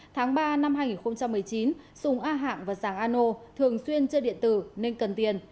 tháng ba năm hai nghìn một mươi chín sùng a hạng và giàng ano thường xuyên chơi điện tử nên cần tiền